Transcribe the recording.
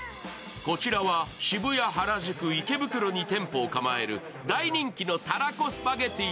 こちらは渋谷、原宿、池袋に店舗を構える大人気のたらこスパゲティ